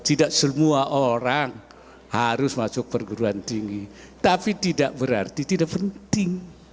tidak semua orang harus masuk perguruan tinggi tapi tidak berarti tidak penting